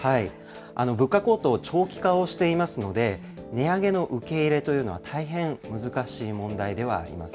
物価高騰、長期化をしていますので、値上げの受け入れというのは大変難しい問題ではあります。